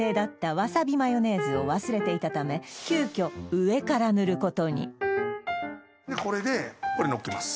わさびマヨネーズを忘れていたため急きょでこれでこれのっけます